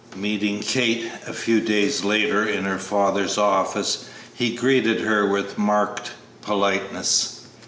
Meeting Kate a few days later in her father's office, he greeted her with marked politeness.